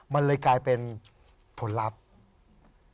มันเลยกลายเป็นผลลัพธ์